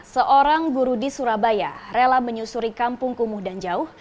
seorang guru di surabaya rela menyusuri kampung kumuh dan jauh